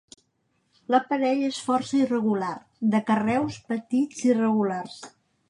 L'aparell és força irregular, de carreus petits irregulars.